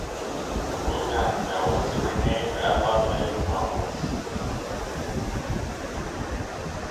Luganville is renamed Allonneaupolis.